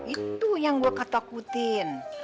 itu yang gue ketakutin